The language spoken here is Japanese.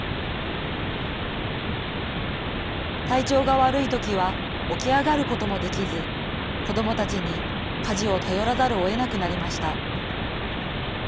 体調が悪いときは起き上がることもできず子どもたちに家事を頼らざるをえなくなりました。